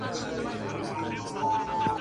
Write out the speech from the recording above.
حماسه او وياړنه توليدوي.